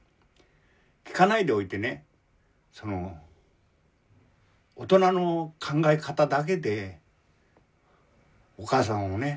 聞かないでおいてねその大人の考え方だけでお母さんをね